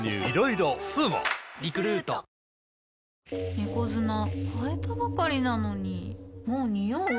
猫砂替えたばかりなのにもうニオう？